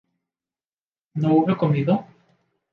¿no hube comido?